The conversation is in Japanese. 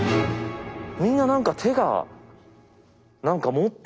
みんな何か手が何か持ってんすよ。